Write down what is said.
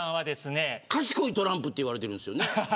賢いトランプと言われてるんですよね。